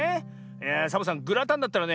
いやあサボさんグラタンだったらね